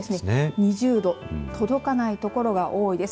２０度届かない所が多いです。